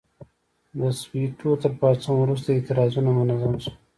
د سووېتو تر پاڅون وروسته اعتراضونه منظم شول.